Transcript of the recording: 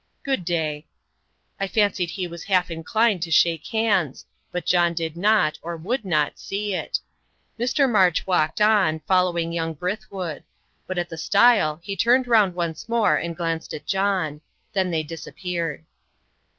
"Good day." I fancied he was half inclined to shake hands but John did not, or would not, see it. Mr. March walked on, following young Brithwood; but at the stile he turned round once more and glanced at John. Then they disappeared.